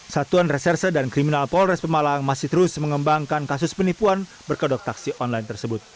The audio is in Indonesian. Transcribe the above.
satuan reserse dan kriminal polres pemalang masih terus mengembangkan kasus penipuan berkodok taksi online tersebut